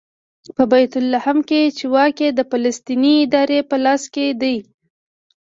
په بیت لحم کې چې واک یې د فلسطیني ادارې په لاس کې دی.